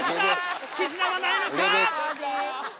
絆はないのか？